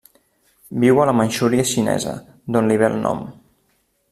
Viu a la Manxúria xinesa, d'on li ve el nom.